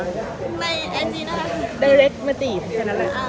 ในอันจีนนะคะ